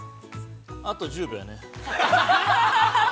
◆あと１０秒やね。